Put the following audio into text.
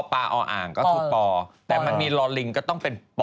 ปอร์ปอร์ได้ไหม